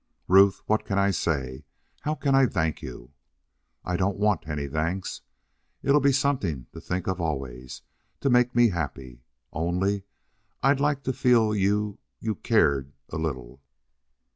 "Ruth, what can I say how can I thank you?" "I don't want any thanks. It'll be something to think of always to make me happy.... Only I'd like to feel you you cared a little."